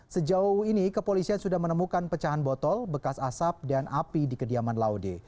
sejauh ini kepolisian sudah menemukan pecahan botol bekas asap dan api di kediaman laude